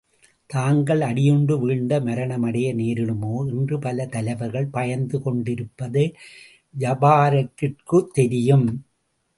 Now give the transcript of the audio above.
தாங்கள் அடியுண்டு வீழ்ந்து மரணமடைய நேரிடுமோ என்று பல தலைவர்கள் பயந்து கொண்டிருப்பது ஜபாரக்கிற்குத் தெரியும்.